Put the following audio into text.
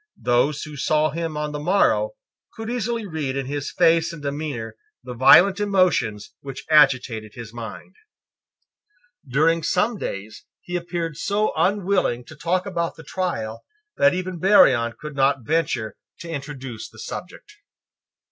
Those who saw him on the morrow could easily read in his face and demeanour the violent emotions which agitated his mind. During some days he appeared so unwilling to talk about the trial that even Barillon could not venture to introduce the subject.